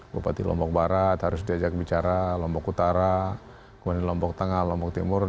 bupati lombok barat harus diajak bicara lombok utara kemudian lombok tengah lombok timur